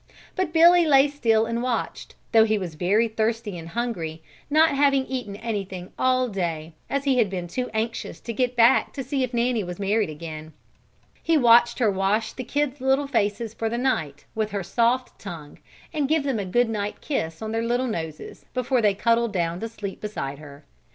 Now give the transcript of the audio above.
But Billy lay still and watched, though he was very thirsty and hungry, not having eaten anything all day, as he had been too anxious to get back to see if Nanny was married again. He watched her wash the kids' little faces for the night with her soft tongue and give them a good night kiss on their little noses before they cuddled down to sleep beside her.